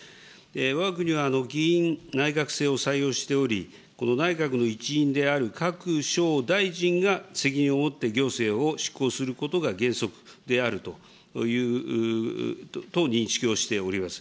わが国は議院内閣制を採用しており、この内閣の一員である各省大臣が責任を持って行政を執行することが原則であると認識をしております。